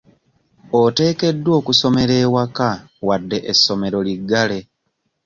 Oteekeddwa okusomera ewaka wadde essomero liggale.